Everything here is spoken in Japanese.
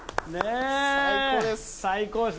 最高です。